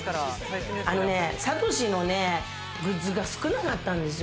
サトシのね、グッズが少なかったんですよ。